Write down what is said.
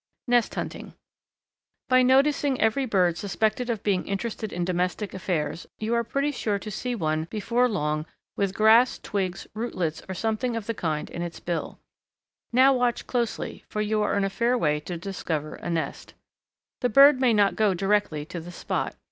Nest Hunting. By noticing every bird suspected of being interested in domestic affairs, you are pretty sure to see one before long with grass, twigs, rootlets, or something of the kind in its bill. Now watch closely, for you are in a fair way to discover a nest. The bird may not go directly to the spot.